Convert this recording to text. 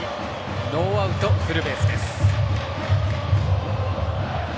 ノーアウト、フルベース。